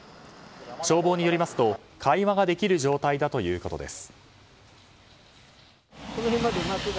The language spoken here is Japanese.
消防によりますと会話ができる状態だということです。